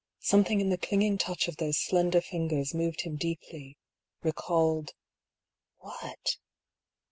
Something in the clinging touch of those slender fingers moved him deeply, recalled — what?